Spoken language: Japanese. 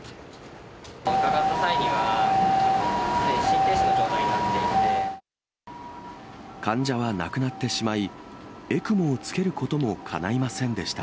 伺った際には、すでに心停止患者は亡くなってしまい、ＥＣＭＯをつけることもかないませんでした。